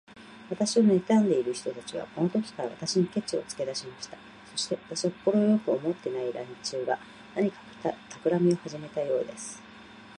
私をねたんでいる人たちは、このときから、私にケチをつけだしました。そして、私を快く思っていない連中が、何かたくらみをはじめたようです。